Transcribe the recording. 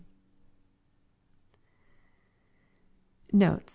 Notes.